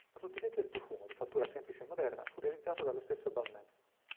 La bottiglietta del profumo di fattura semplice e moderna fu realizzata dallo stesso Balmain.